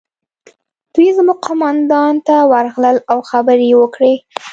دوی زموږ قومندان ته ورغلل او خبرې یې وکړې